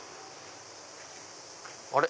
あれ？